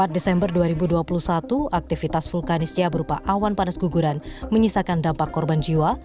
empat desember dua ribu dua puluh satu aktivitas vulkanisnya berupa awan panas guguran menyisakan dampak korban jiwa